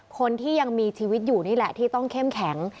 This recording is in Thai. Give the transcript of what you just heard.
คนที่ยังมีชีวิตอยู่นี่แหละที่ต้องเข้มแข็ง